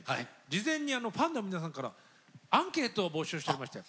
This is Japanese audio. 事前にファンの皆さんからアンケートを募集しておりまして。